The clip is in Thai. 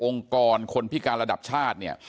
กรคนพิการระดับชาติเนี่ย